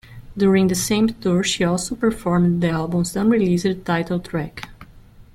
During the same tour she also performed the album's unreleased title-track.